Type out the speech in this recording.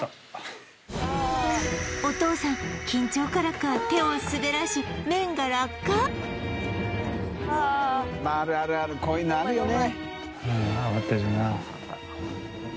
お父さん緊張からか手を滑らしまああるあるあるこういうのあるよね